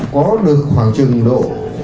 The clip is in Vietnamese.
có được khoảng trừng độ